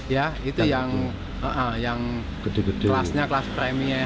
ya itu yang kelasnya kelas premier